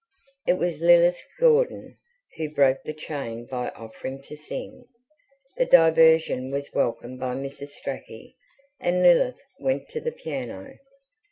It was Lilith Gordon who broke the chain by offering to sing. The diversion was welcomed by Mrs. Strachey, and Lilith went to the piano.